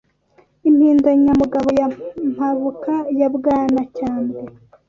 Impindanyamugabo ya Mpabuka ya bwanacyambwe